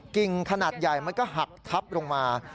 กิ่งขนาดใหญ่มันก็หักทับลงมา